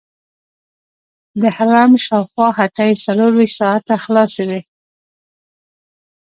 د حرم شاوخوا هټۍ څلورویشت ساعته خلاصې وي.